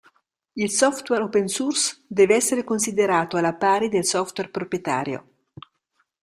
Il software open source deve essere considerato alla pari del software proprietario.